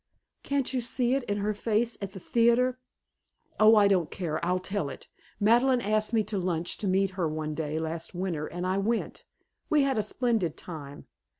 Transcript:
"Can't you see it in her face at the theatre? Oh, I don't care! I'll tell it! Madeleine asked me to lunch to meet her one day last winter and I went. We had a splendid time.